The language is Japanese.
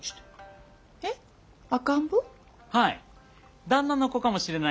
はい！